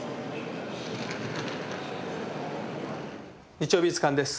「日曜美術館」です。